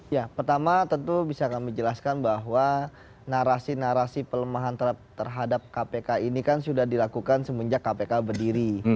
ya pertama tentu bisa kami jelaskan bahwa narasi narasi pelemahan terhadap kpk ini kan sudah dilakukan semenjak kpk berdiri